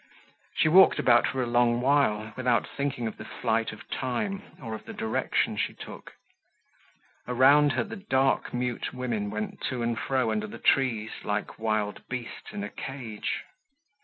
She walked about for a long while, without thinking of the flight of time or of the direction she took. Around her the dark, mute women went to and fro under the trees like wild beasts in a cage.